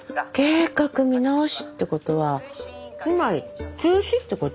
計画見直しって事はつまり中止って事よね。